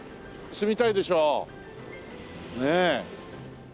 住みたいでしょ？ねえ。